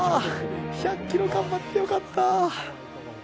１００ｋｍ頑張って良かった。